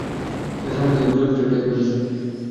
তারা সামনে থেকে গুলি করছে - টেক পজিশন!